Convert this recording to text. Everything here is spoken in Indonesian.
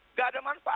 nggak ada manfaat